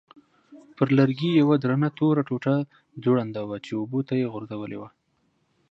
پر لرګي یوه درنه توره ټوټه ځوړنده وه چې اوبو ته یې غورځولې وه.